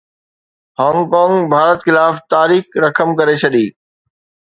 Hong Kong Bharat خلاف تاريخ رقم ڪري ڇڏي